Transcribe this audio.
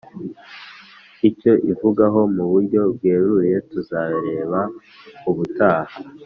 Icyo ivugaho mu buryo bweruye tuzabireba ubutaha